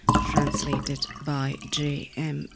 Translated by J. M.